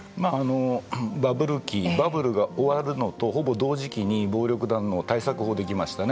バブル期バブルが終わるのとほぼ同時期に暴力団の対策法ができましたよね。